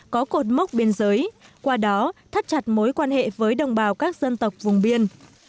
có cột mốc biên giới qua đó thắt chặt mối quan hệ với đồng bào các dân tộc vùng biên